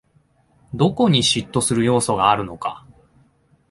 どこに嫉妬する要素があるのか